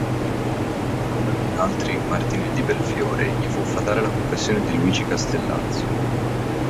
Come per altri "Martiri di Belfiore", gli fu fatale la confessione di Luigi Castellazzo.